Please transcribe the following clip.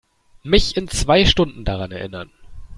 Mich in zwei Stunden daran erinnern.